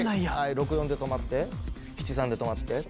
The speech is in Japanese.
「六四で止まって」「七三で止まって」。